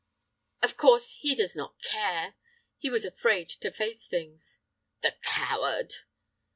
"Of course—he does not care. He was afraid to face things." "The coward!"